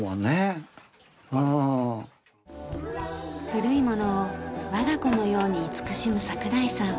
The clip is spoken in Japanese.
古い物を我が子のように慈しむ櫻井さん。